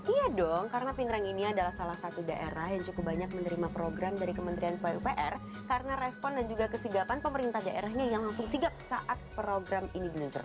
iya dong karena pingrang ini adalah salah satu daerah yang cukup banyak menerima program dari kementerian pupr karena respon dan juga kesigapan pemerintah daerahnya yang langsung sigap saat program ini diluncurkan